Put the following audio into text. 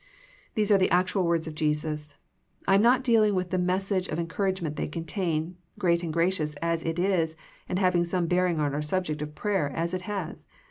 These are the actual words of Jesus. I am not dealing with the message of en couragement they contain, great and gracious as it is and having some bearing on our subject of prayer, as it has.